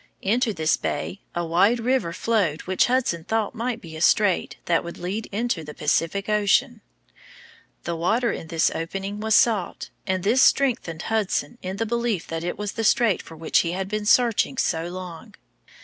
Into this bay a wide river flowed which Hudson thought might be a strait that would lead into the Pacific Ocean. The water in this opening was salt, and this strengthened Hudson in the belief that it was the strait for which he had been searching so long.